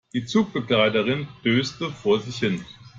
Die Zugbegleiterin döste vor sich hin.